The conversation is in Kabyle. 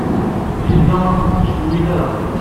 Linda ur kent-tettcewwil ara.